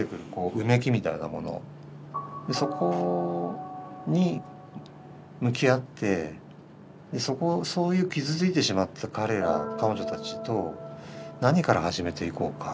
そこに向き合ってそういう傷ついてしまった彼ら彼女たちと何から始めていこうか。